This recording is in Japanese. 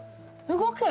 動く。